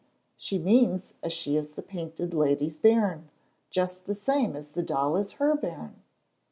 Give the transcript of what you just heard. She means as she is the Painted Lady's bairn, just the same as the doll is her bairn."